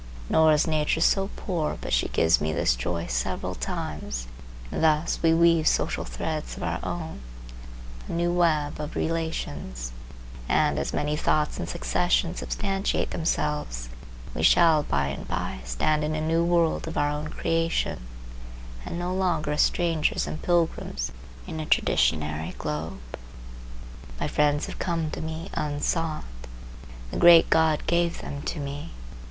Nor is Nature so poor but she gives me this joy several times, and thus we weave social threads of our own, a new web of relations; and, as many thoughts in succession substantiate themselves, we shall by and by stand in a new world of our own creation, and no longer strangers and pilgrims in a traditionary globe. My friends have come to me unsought. The great God gave them to me.